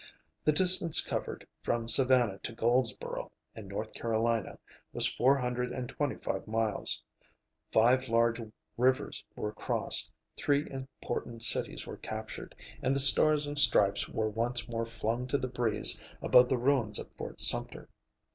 The distance covered, from Savannah to Goldsboro, in North Carolina, was four hundred and twenty five miles; five large rivers were crossed, three important cities were captured, and the Stars and Stripes were once more flung to the breeze above the ruins of Fort Sumter.